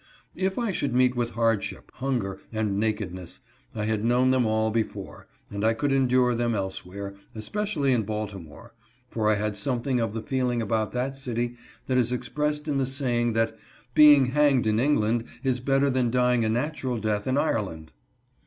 If I should meet with hardship, hunger, and nakedness, I had known them all before, and I could endure them elsewhere, especially in Baltimore, for I had something of the feeling about that city that is expressed in the saying that " being hanged in England is better than dying a natural death in Ireland."